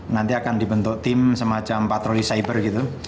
nanti akan dibentuk tim semacam patroli cyber gitu